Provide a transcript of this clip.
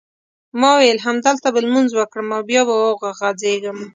ما وېل همدلته به لمونځ وکړم او بیا به وغځېږم.